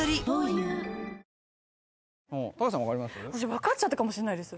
分かっちゃったかもしんないです。